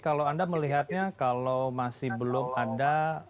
kalau anda melihatnya kalau masih belum ada